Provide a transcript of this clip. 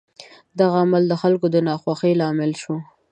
دغه عمل د خلکو د ناخوښۍ لامل شو.